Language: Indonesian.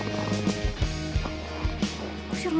boohoo kaga dateng sih mah ini